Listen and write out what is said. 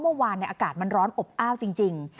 เมื่อวานอากาศมันร้อนอบอ้าวจริง